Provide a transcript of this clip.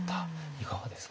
いかがですか？